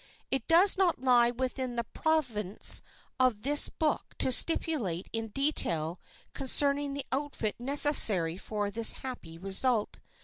It does not lie within the province of this book to stipulate in detail concerning the outfit necessary for this happy result.